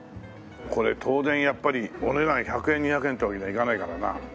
これ当然やっぱりお値段１００円２００円ってわけにはいかないからな。